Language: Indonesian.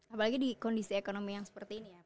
apalagi di kondisi ekonomi yang seperti ini ya pak